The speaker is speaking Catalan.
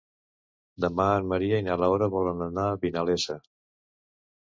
Demà en Maria i na Laura volen anar a Vinalesa.